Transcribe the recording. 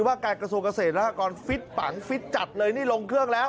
ว่าการกรสุทธิ์เกษตรราคากรฟิศปังฟิศจัดลงเครื่องแล้ว